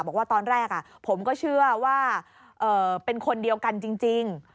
บอกว่าตอนแรกผมก็เชื่อว่าเป็นคนเดียวกันจริง